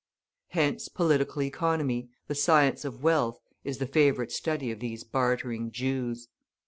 Hence, Political Economy, the Science of Wealth, is the favourite study of these bartering Jews.